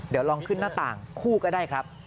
เดี๋ยวลองขึ้นหน้าต่างคู่ก็ได้ครับ